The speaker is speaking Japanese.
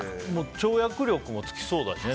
跳躍力もつきそうだしね